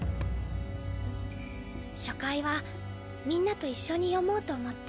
初回はみんなと一緒に読もうと思って。